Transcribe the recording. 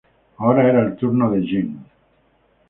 Ahora era el turno de Yen.